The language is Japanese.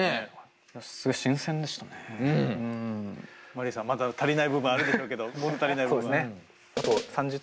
マリイさんまだ足りない部分あるでしょうけど物足りない部分。